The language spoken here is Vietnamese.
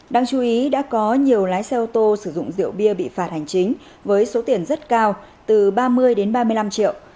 đáng chú ý đã có nhiều lái xe ô tô sử dụng rượu bia bị phạt hành chính với số tiền rất cao từ ba mươi đến ba mươi năm triệu